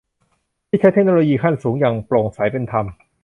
ที่ใช้เทคโนโลยีขั้นสูงอย่างโปร่งใสเป็นธรรม